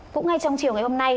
cũng ngay trong chiều ngày hôm nay